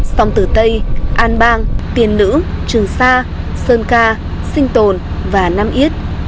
sông tử tây an bang tiền nữ trường sa sơn ca sinh tồn và nam yết